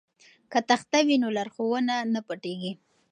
که تخته وي نو لارښوونه نه پټیږي.